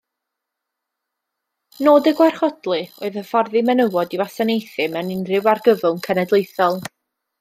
Nod y gwarchodlu oedd hyfforddi menywod i wasanaethu mewn unrhyw argyfwng cenedlaethol.